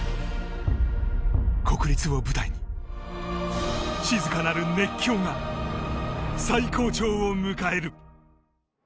国立を舞台に静かなる熱狂が最高潮を迎える。